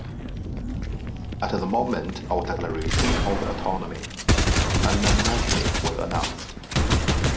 At the moment of declaration of the autonomy an amnesty was announced.